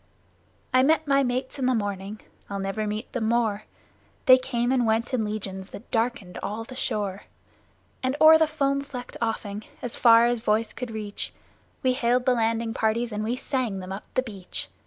I met my mates in the morning (I'll never meet them more!); They came and went in legions that darkened all the shore. And o'er the foam flecked offing as far as voice could reach We hailed the landing parties and we sang them up the beach.